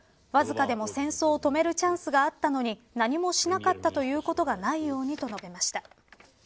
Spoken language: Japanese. わずかでも戦争を止めるチャンスがあったのに何もしなかったということがないように、と述べました。